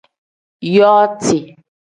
Yooti.